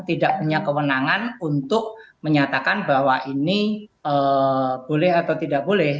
tidak punya kewenangan untuk menyatakan bahwa ini boleh atau tidak boleh